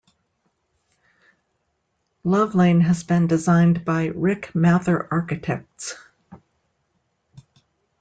Love Lane has been designed by Rick Mather Architects.